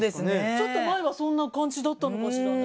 ちょっと前はそんな感じだったのかしらね。